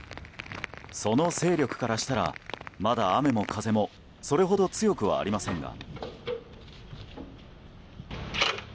その勢力からしたらまだ雨も風もそれほど強くはありませんが。